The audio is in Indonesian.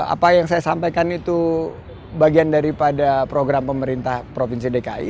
apa yang saya sampaikan itu bagian daripada program pemerintah provinsi dki